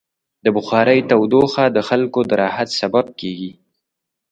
د بخارۍ تودوخه د خلکو د راحت سبب کېږي.